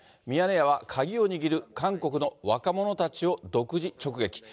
ミヤネ屋は鍵を握る韓国の若者たちを独自直撃。